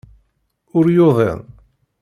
Ur yuḍin.